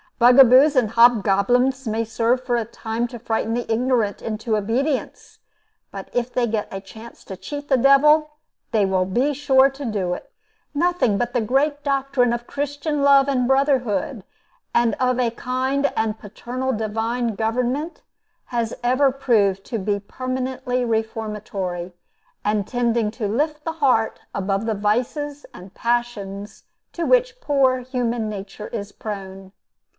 Bugaboos and hob goblins may serve for a time to frighten the ignorant into obedience; but if they get a chance to cheat the devil, they will be sure to do it. Nothing but the great doctrine of Christian love and brotherhood, and of a kind and paternal Divine government, has ever proved to be permanently reformatory, and tending to lift the heart above the vices and passions to which poor human nature is prone.